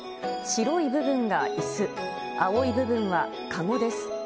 白い部分がいす、青い部分は籠です。